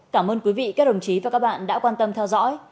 cảm ơn quý vị các đồng chí và các bạn đã quan tâm theo dõi